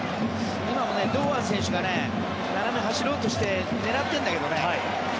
今も堂安選手が斜めを走ろうとして狙ってるんだけどね。